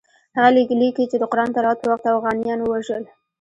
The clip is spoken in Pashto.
هغه لیکي چې د قرآن تلاوت په وخت اوغانیان ووژل.